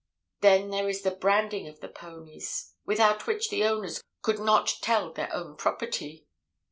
Then there is the branding of the ponies, without which the owners could not tell their own property.